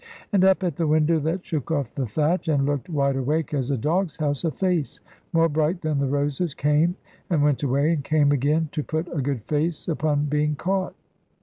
And up at the window, that shook off the thatch, and looked wide awake as a dog's house, a face, more bright than the roses, came, and went away, and came again, to put a good face upon being caught.